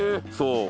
そう。